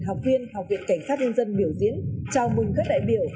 học viện cảnh sát nhân dân biểu diễn chào mừng các đại biểu